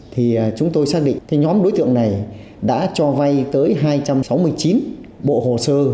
thì chúng tôi xác định cái nhóm đối tượng này đã cho vay tới hai trăm sáu mươi chín bộ hồ sơ